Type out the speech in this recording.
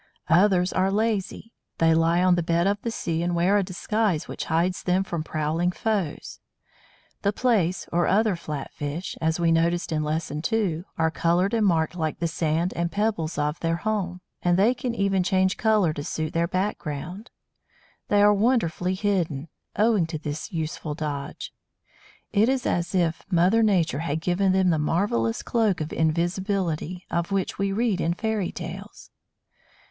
Others are lazy; they lie on the bed of the sea, and wear a disguise which hides them from prowling foes. The Plaice and other flat fish, as we noticed in Lesson 2, are coloured and marked like the sand and pebbles of their home; and they can even change colour to suit their background. They are wonderfully hidden, owing to this useful dodge. It is as if Mother Nature had given them the marvellous "cloak of invisibility," of which we read in fairy tales.